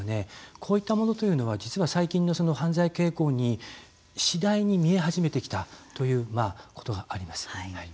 こういったものというのは実は最近の犯罪傾向に次第にみえ始めてきたということがあります。